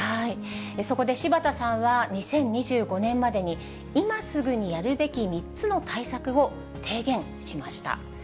そこで柴田さんは、２０２５年までに、今すぐにやるべき３つの対策を提言しました。